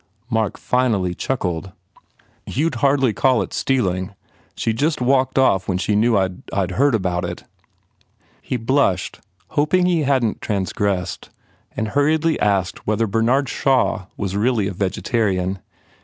Mark finally chuckled. "You d hardly call it HE PROGRESSES stealing. She just walked off when she knew I d heard about it." He blushed, hoping he hadn t transgressed and hurriedly asked whether Bernard Shaw was really a vegetarian.